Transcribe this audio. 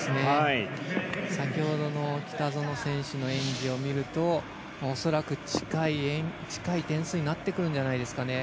先ほどの北園選手の演技を見ると恐らく近い点数になってくるんじゃないですかね。